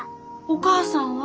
お母さんは？